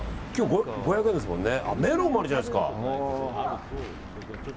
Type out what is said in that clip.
５００円ですもんね。